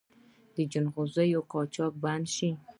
د جلغوزیو قاچاق بند شوی؟